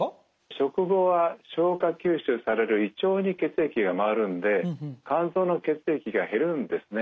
食後は消化吸収される胃腸に血液が回るんで肝臓の血液が減るんですね。